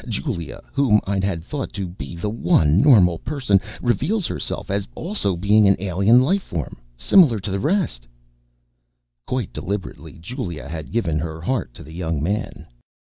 Julia, whom I had thought to be the one normal person, reveals herself as also being an alien life form, similar to the rest: _... quite deliberately, Julia had given her heart to the young man.